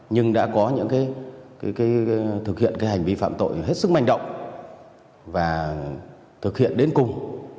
nhưng đã có những cái thực hiện hành vi phạm tội hết sức manh động và thực hiện đến cùng